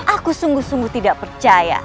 aku sungguh sungguh tidak percaya